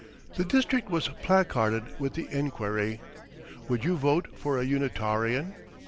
The district was placarded with the enquiry: Would you vote for a "Unitawrian"?